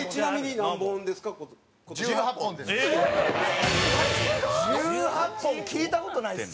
ノブ：１８本聞いた事ないです。